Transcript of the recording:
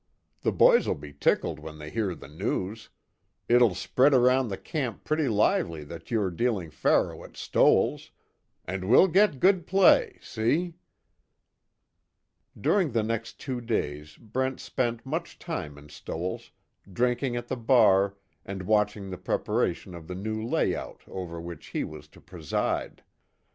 The boys'll be tickled when they hear the news it'll spread around the camp pretty lively that you're dealing faro at Stoell's, and we'll get good play see." During the next two days Brent spent much time in Stoell's, drinking at the bar, and watching the preparation of the new layout over which he was to preside.